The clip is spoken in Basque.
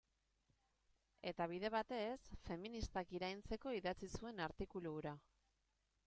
Eta bide batez, feministak iraintzeko idatzi zuen artikulu hura.